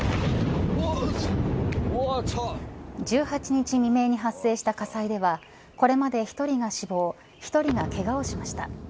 １８日未明に発生した火災ではこれまで１人が死亡１人がけがをしました。